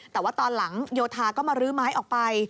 แต่ว่าตอนหลังโยธาก็มารื้อไม้ออกไป